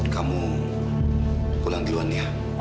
kamu pulang duluan ya